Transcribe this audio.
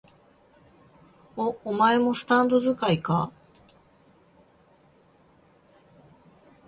お、お前もスタンド使いか？